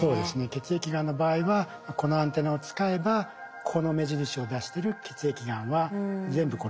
血液がんの場合はこのアンテナを使えばこの目印を出してる血液がんは全部殺せますよ。